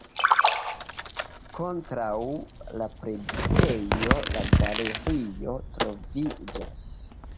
Kontraŭ la predikejo la galerio troviĝas.